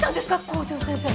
校長先生。